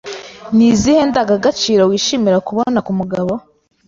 Ni izihe Ndangagaciro wishimira kubona ku mugabo